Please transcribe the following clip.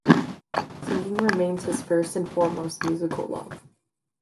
Singing remains his first and foremost musical love.